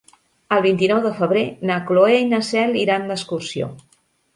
El vint-i-nou de febrer na Cloè i na Cel iran d'excursió.